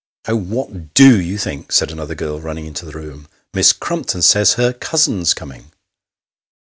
"Oh, what do you think?" said another girl, running into the room ;" Miss Crumpton says her cousin's coming."